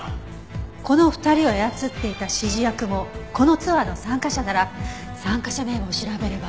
この２人を操っていた指示役もこのツアーの参加者なら参加者名簿を調べれば。